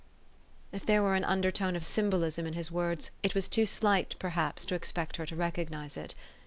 If there were an undertone of symbolism in his words, it was too slight, perhaps, to expect her to recognize it.